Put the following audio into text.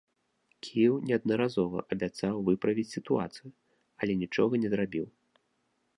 Кіеў неаднаразова абяцаў выправіць сітуацыю, але нічога не зрабіў.